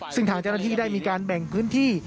ซึ่งทางเจ้าหน้าที่ได้มีการแบ่งพื้นที่